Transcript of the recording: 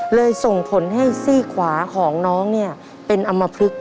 ส่งผลให้ซี่ขวาของน้องเนี่ยเป็นอำมพลึก